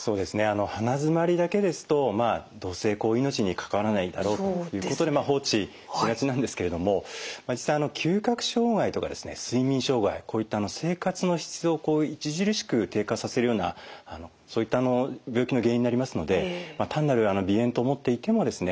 鼻づまりだけですとまあどうせ命に関わらないだろうということで放置しがちなんですけれども実際嗅覚障害とか睡眠障害こういった生活の質を著しく低下させるようなそういった病気の原因になりますので単なる鼻炎と思っていてもですね